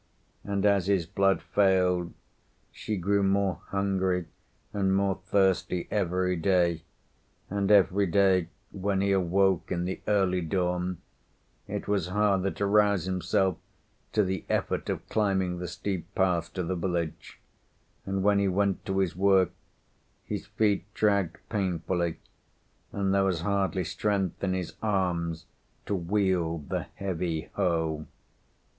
And as his blood failed, she grew more hungry and more thirsty every day, and every day when he awoke in the early dawn it was harder to rouse himself to the effort of climbing the steep path to the village; and when he went to his work his feet dragged painfully, and there was hardly strength in his arms to wield the heavy hoe.